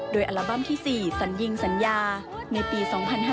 โดยอัลบั้มที่๔สัญญิงสัญญาในปี๒๕๕๙